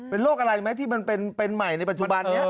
เป็นโรคอะไรไหมที่มันเป็นใหม่ในปัจจุบันนี้